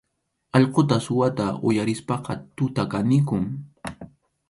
Allquqa suwata uyarispaqa tuta kanikun.